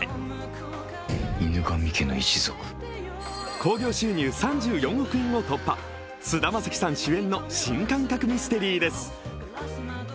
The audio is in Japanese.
興行収入３４億円を突破菅田将暉さん主演の新感覚ミステリーです。